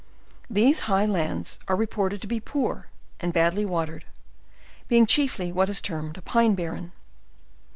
These high lands are reported to be poor, and badly watered, being chiefly what is termed a pine barren.